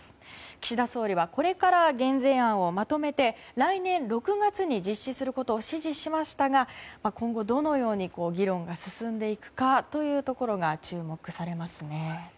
岸田総理はこれから減税案をまとめて来年６月に実施することを指示しましたが今後、どのように議論が進んでいくかというところが注目されますね。